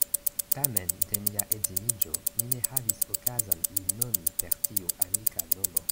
Tamen, de mia edziniĝo, mi ne havis okazon lin nomi per tiu amika nomo.